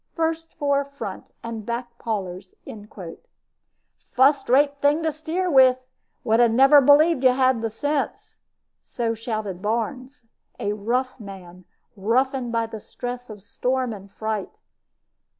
First floor front, and back parlors." "Fust rate thing to steer with! Would never have believed you had the sense!" So shouted Barnes a rough man, roughened by the stress of storm and fright.